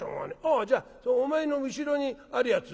あじゃあお前の後ろにあるやつ